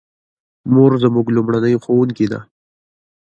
مور زموږ لومړنۍ ښوونکې ده